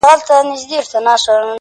• ه تا خو تل تر تله په خپگان کي غواړم؛